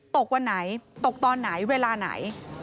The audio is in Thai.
วันไหนตกตอนไหนเวลาไหน